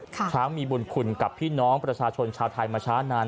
ช้างมีบุญคุณกับพี่น้องประชาชนชาวไทยมาช้านาน